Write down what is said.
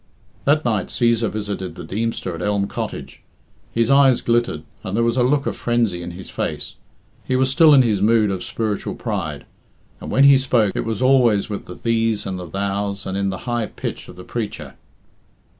That night Cæsar visited the Deemster at Elm Cottage. His eyes glittered, and there was a look of frenzy in his face. He was still in his mood of spiritual pride, and when he spoke it was always with the thees and the thous and in the high pitch of the preacher.